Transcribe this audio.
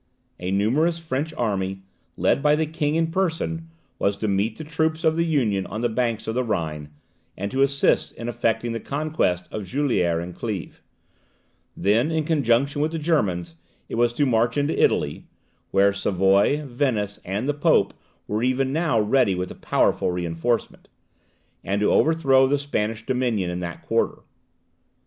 A numerous French army, led by the king in person, was to meet the troops of the Union on the banks of the Rhine, and to assist in effecting the conquest of Juliers and Cleves; then, in conjunction with the Germans, it was to march into Italy, (where Savoy, Venice, and the Pope were even now ready with a powerful reinforcement,) and to overthrow the Spanish dominion in that quarter.